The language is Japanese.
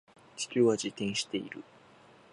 地球は自転している